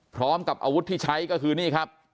พร้อมกับอาวุธที่ใช้ก็คือนี่ครับ